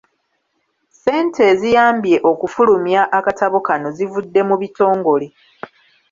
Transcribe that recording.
Ssente eziyambye okufulumya akatabo kano zivudde mu bitongole.